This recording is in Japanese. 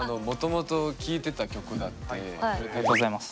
すごくありがとうございます。